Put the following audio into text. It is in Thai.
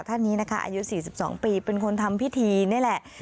ท่านนี้นะคะอายุ๔๒ปีเป็นคนทำพิธีนี่แหละ